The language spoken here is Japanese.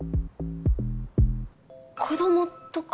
子供とか？